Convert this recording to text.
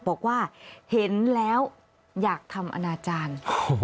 บอกว่าเห็นแล้วอยากทำอนาจารย์